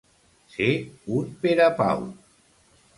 Ser un Pere Pau.